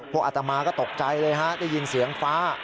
อัตมาก็ตกใจเลยฮะได้ยินเสียงฟ้า